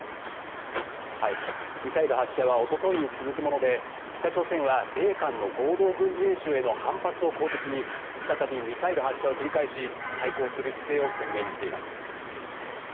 ミサイル発射は一昨日に続くもので、北朝鮮は米韓の合同軍事演習への反発を口実に、再びミサイル発射を繰り返し対抗する姿勢を鮮明にしています。